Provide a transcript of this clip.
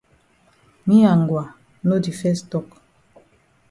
Me and Ngwa no di fes tok.